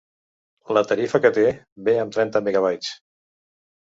La tarifa que té ve amb trenta mb.